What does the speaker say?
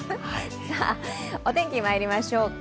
お天気、まいりましょうか。